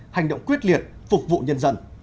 hành động quyết liệt phục vụ nhân dân